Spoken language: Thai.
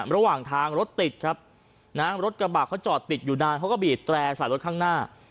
ระหว่างทางรถติดครับนะฮะรถกระบะเขาจอดติดอยู่นานเขาก็บีดแตร่ใส่รถข้างหน้า